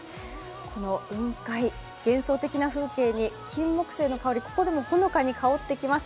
この雲海、幻想的な風景に金木犀の香り、ここでもほのかに香ってきます。